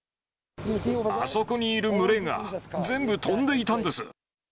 あそこにいる群れが、全部飛んでいたんです。